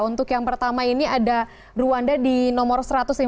untuk yang pertama ini ada ruanda di nomor satu ratus lima puluh